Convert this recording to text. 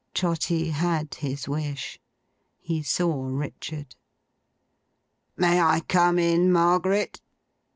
Trotty had his wish. He saw Richard. 'May I come in, Margaret?